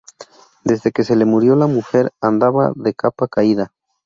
Desde que se le murió la mujer, andaba de capa caída